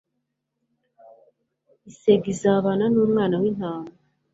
isega izabana n umwana w intama